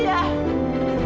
sudah satria dimana